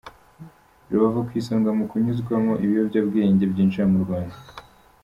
Rubavu ku isonga mu kunyuzwamo ibiyobyabwenge byinjira mu Rwanda